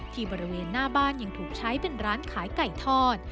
บริเวณหน้าบ้านยังถูกใช้เป็นร้านขายไก่ทอด